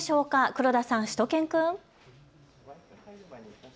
黒田さん、しゅと犬くん。